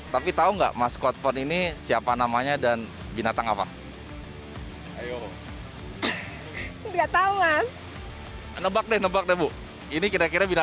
baru lihat ini jadi tidak tahu namanya